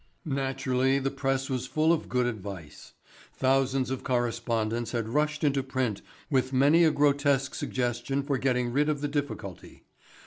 Naturally, the Press was full of good advice. Thousands of correspondents had rushed into print with many a grotesque suggestion for getting rid of the difficulty.